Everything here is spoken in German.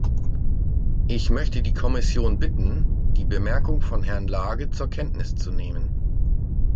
Ich möchte die Kommission bitten, die Bemerkung von Herrn Lage zur Kenntnis zu nehmen.